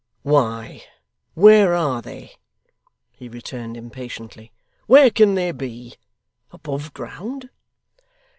'Why, where are they?' he returned impatiently. 'Where can they be? Above ground?